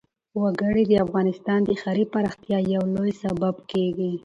وګړي د افغانستان د ښاري پراختیا یو لوی سبب کېږي.